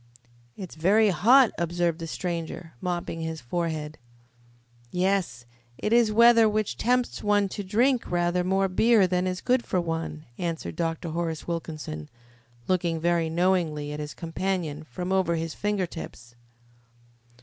"It's very hot," observed the stranger, mopping his forehead. "Yes, it is weather which tempts one to drink rather more beer than is good for one," answered Dr. Horace Wilkinson, looking very knowingly at his companion from over his finger tips.